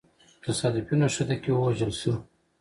تصادفي نښته کي ووژل سو.